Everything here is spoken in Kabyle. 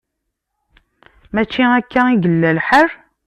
Mačči akka i yella lḥal?